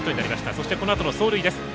そして、このあとの走塁です。